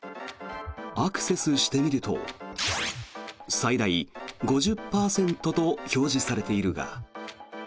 アクセスしてみると最大５０％と表示されているが。